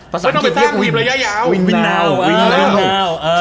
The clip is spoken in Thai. ไม่ต้องไปสร้างวินระยะยาว